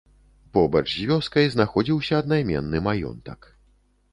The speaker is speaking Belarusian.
Побач з вёскай знаходзіўся аднайменны маёнтак.